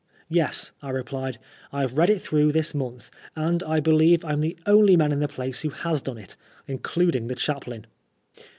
"Yes," I replied, "Tve read it through this month, and I believe I*m the only man in the place who has done it — including the chaplain."